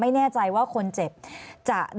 อันดับที่สุดท้าย